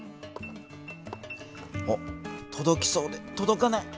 おっとどきそうでとどかない。